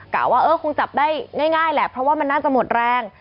ว่าเออคงจับได้ง่ายแหละเพราะว่ามันน่าจะหมดแรง